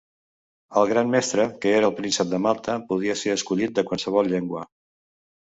El gran mestre, que era el príncep de Malta, podia ser escollit de qualsevol llengua.